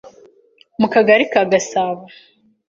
mu Kagali ka Gasabo